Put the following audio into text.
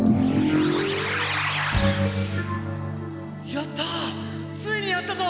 やったぁついにやったぞ！